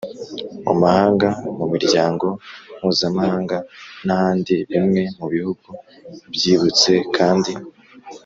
Mu mahanga mu miryango mpuzamahanga n ahandi bimwe mu bihugu byibutse kandi